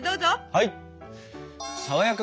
はい！